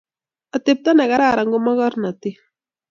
Atebto ne kararan ko magornotet